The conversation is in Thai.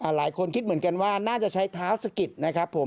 หลายคนคิดเหมือนกันว่าน่าจะใช้เท้าสะกิดนะครับผม